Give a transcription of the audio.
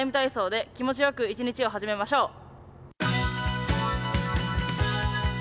ＴＩＭＥ，体操」で気持ちよく一日を始めましょう。